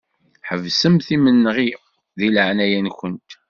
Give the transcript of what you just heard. Ḥebsemt imenɣi di leɛnaya-nkent.